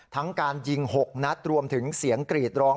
การยิง๖นัดรวมถึงเสียงกรีดร้อง